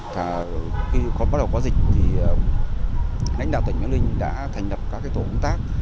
từ khi có bắt đầu có dịch thì lãnh đạo tỉnh bác ninh đã thành lập các tổ công tác